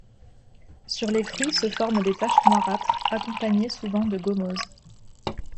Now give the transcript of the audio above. Sur les fruits se forment des taches noirâtres accompagnées souvent de gommose.